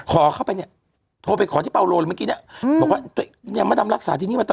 ขอเข้าไปนี่โทรไปขอที่ปาโรนเมื่อกี้นี้